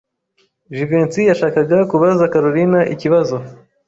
Jivency yashakaga kubaza Kalorina ikibazo.